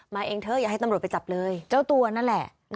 เองเถอะอย่าให้ตำรวจไปจับเลยเจ้าตัวนั่นแหละ